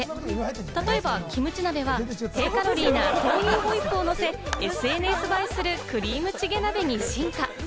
例えば、キムチ鍋は低カロリーな豆乳ホイップをのせ、ＳＮＳ映えするクリームチゲ鍋に進化。